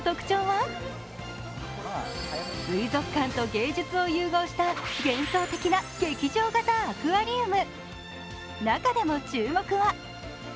水族館と芸術を融合した幻想的な劇場型アクアリウム。